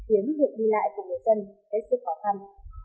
khiến việc đi lại của người dân hết sức khó khăn